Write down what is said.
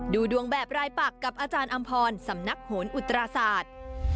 ดูดวงแบบรายปักกับอาจารย์อำพรสำนักโหนอุตราศาสตร์